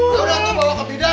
kamu mau ke bidan